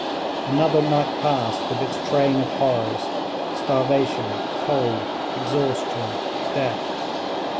Another night passed, with its train of horrors starvation, cold, exhaustion, death.